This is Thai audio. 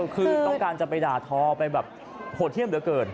คือต้องการจะไปด่าทอไปแบบโหดเยี่ยมเหลือเกิน